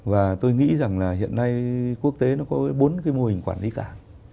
và tôi nghĩ rằng là hiện nay quốc tế nó có bốn cái mô hình quản lý cảng